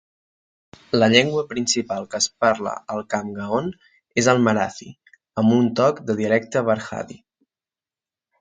La llengua principal que es parla a Khamgaon és el marathi amb un toc de dialecte varhadi.